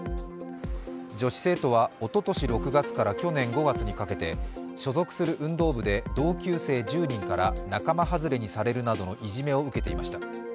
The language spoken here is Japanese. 女子生徒はおととし６月から去年５月にかけて所属する運動部で同級生１０人から仲間外れにされるなどのいじめを受けていました。